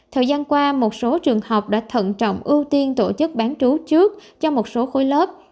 thời gian qua một số trường học đã thận trọng ưu tiên tổ chức bán trú trước cho một số khối lớp